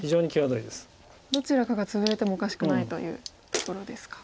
どちらかがツブれてもおかしくないというところですか。